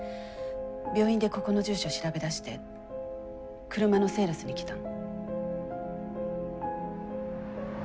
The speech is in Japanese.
病院でここの住所を調べ出して車のセールスに来たの。